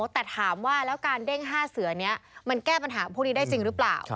แต่ถามว่าแล้วการเด้ง๕เสือนี้มันแก้ปัญหาพวกนี้ได้จริงหรือเปล่า